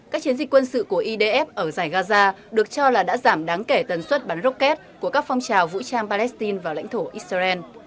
các chiến dịch quân sự của idf ở giải gaza được cho là đã giảm đáng kể tần suất bắn rocket của các phong trào vũ trang palestine vào lãnh thổ israel